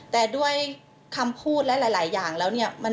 แต่ด้วยคำพูดและหลายอย่างแล้วเนี่ย